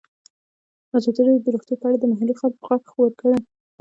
ازادي راډیو د روغتیا په اړه د محلي خلکو غږ خپور کړی.